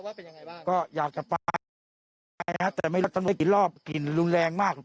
ว่าเป็นยังไงบ้างก็อยากจะไปนะแต่ไม่ต้องได้กลิ่นรอบกลิ่นรุนแรงมาก